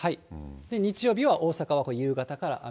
日曜日は大阪はこれ、夕方から雨。